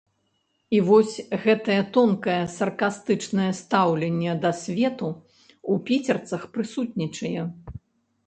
І вось гэтае тонкае саркастычнае стаўленне да свету ў піцерцах прысутнічае.